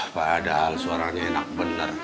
padahal suaranya enak bener